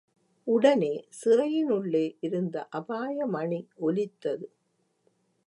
உடனே சிறையினுள்ளே இருந்த அபாயமணி ஒலித்தது.